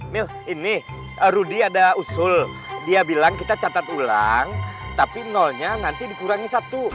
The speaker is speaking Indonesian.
mil ini rudy ada usul dia bilang kita catat ulang tapi nolnya nanti dikurangi satu